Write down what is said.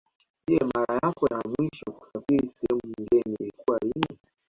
Je mara yako ya mwisho kusafiri sehemu ngeni ilikuwa lini